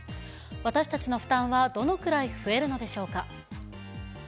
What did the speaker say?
私たちの負担はどのくらい増えるのでしょうか。